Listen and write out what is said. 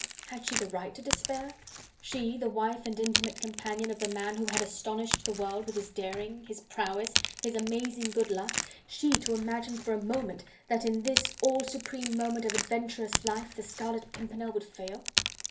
Had she the right to despair? She, the wife and intimate companion of the man who had astonished the world with his daring, his prowess, his amazing good luck, she to imagine for a moment that in this all supreme moment of adventurous life the Scarlet Pimpernel would fail!